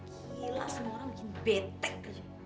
gila semua orang di betek